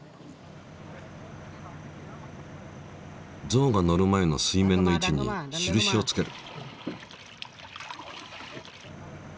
象が乗る前の水面の位置に印をつける。